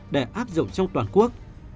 để áp dụng trong toàn quốc